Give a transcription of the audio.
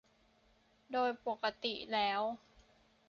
โดยปกติแล้ว